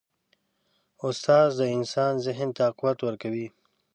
استاد د انسان ذهن ته قوت ورکوي.